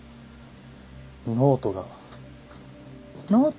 ノートが。